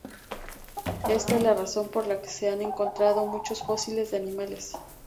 Esta es la razón por la que se han encontrado muchos fósiles de animales.